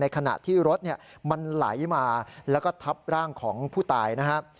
ขณะที่รถมันไหลมาแล้วก็ทับร่างของผู้ตายนะครับ